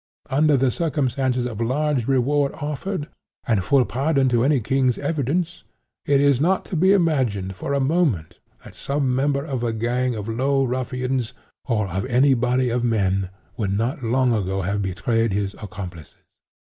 Under the circumstances of large reward offered, and full pardon to any king's evidence, it is not to be imagined, for a moment, that some member of a gang of low ruffians, or of any body of men, would not long ago have betrayed his accomplices.